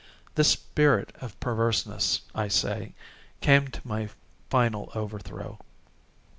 This spirit of perverseness, I say, came to my final overthrow.